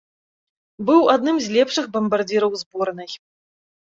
Быў адным з лепшых бамбардзіраў зборнай.